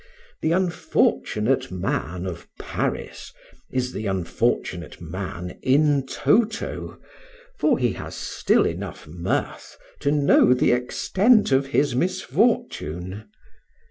The unfortunate man of Paris is the unfortunate man in toto, for he has still enough mirth to know the extent of his misfortune.